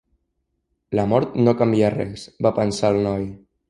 La mort no canvia res, va pensar el noi.